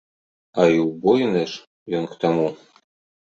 А і ўбоіна ж ён к таму!